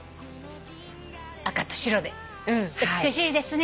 赤と白で美しいですね。